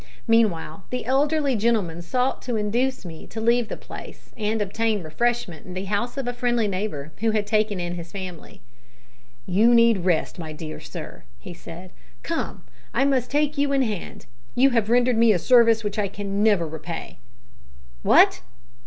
Meanwhile the elderly gentleman sought to induce me to leave the place and obtain refreshment in the house of a friendly neighbour, who had taken in his family. "You need rest, my dear sir," he said; "come, I must take you in hand. You have rendered me a service which I can never repay. What?